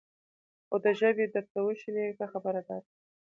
او دا ژبې درته وشني، ښه خبره دا ده،